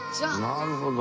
なるほど。